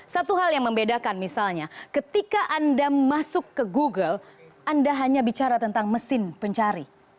satu hal yang membedakan misalnya ketika anda masuk ke google anda hanya bicara tentang mesin pencari